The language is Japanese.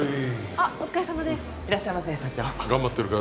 あっお疲れさまですいらっしゃいませ社長頑張ってるか？